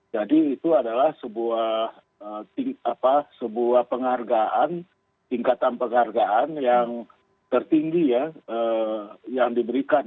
jadi itu adalah sebuah penghargaan tingkatan penghargaan yang tertinggi ya yang diberikan